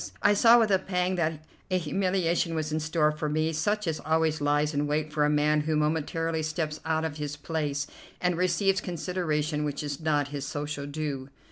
I saw with a pang that a humiliation was in store for me such as always lies in wait for a man who momentarily steps out of his place and receives consideration which is not his social due.